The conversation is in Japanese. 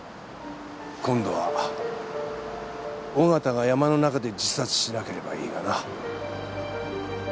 今度は緒方が山の中で自殺しなければいいがな。